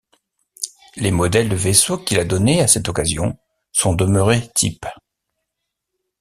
Les modèles de vaisseaux qu’il a donnés à cette occasion sont demeurés types.